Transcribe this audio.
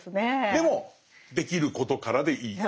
でもできることからでいいっていう。